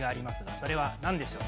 それは何でしょう？